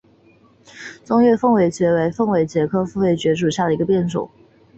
中越凤尾蕨为凤尾蕨科凤尾蕨属下的一个变种。